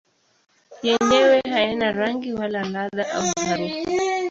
Yenyewe hayana rangi wala ladha au harufu.